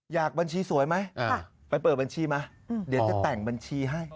อยากบัญชีสวยไหมไปเปิดบัญชีมาเดี๋ยวจะแต่งบัญชีให้